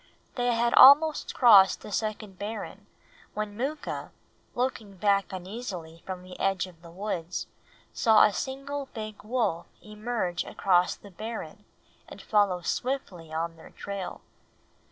They had almost crossed the second barren when Mooka, looking back uneasily from the edge of the woods, saw a single big wolf emerge across the barren and follow swiftly on their trail.